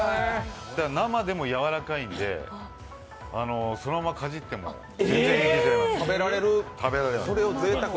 だから生でもやわらかいんでそのままかじっても全然いけちゃいます。